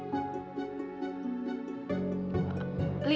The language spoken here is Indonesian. bukan tante rantian asli